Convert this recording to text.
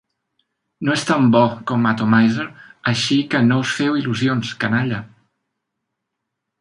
No és tan bo com "Atomizer", així que no us feu il·lusions, canalla.